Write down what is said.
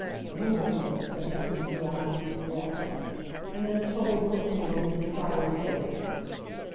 "Wonderful!" said Bunting, drawing a deep breath. And then a troubled look came over his stolid face.